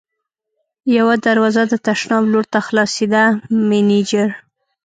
یوه دروازه د تشناب لور ته خلاصېده، مېنېجر.